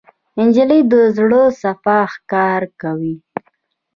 نجلۍ د زړه صفا ښکاره کوي.